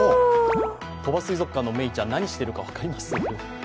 鳥羽水族館のめいちゃん、何しているか、わかりますか？